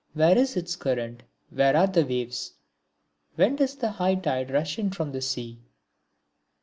Where is its current, where are the waves, when does the high tide rush in from the sea?